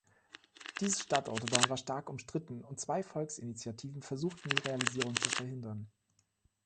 Diese Stadtautobahn war stark umstritten und zwei Volksinitiativen versuchten, die Realisierung zu verhindern.